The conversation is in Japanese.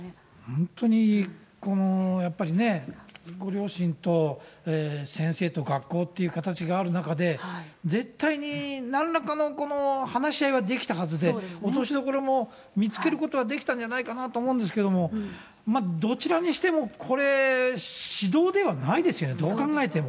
本当にやっぱりね、ご両親と先生と学校っていう形がある中で、絶対になんらかの話し合いはできたはずで、落としどころも見つけることはできたんじゃないかなと思うんですけども、どちらにしても、これ、指導ではないですよね、どう考えても。